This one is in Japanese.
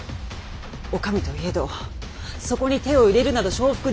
お上といえどそこに手を入れるなど承服できかねる。